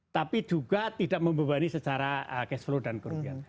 tapi juga tidak membebani secara cash flow dan kerugian